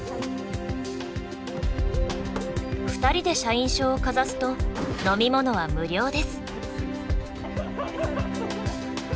２人で社員証をかざすと飲み物は無料です。